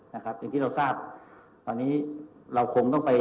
อย่างที่เราทึ่งที่ทราบ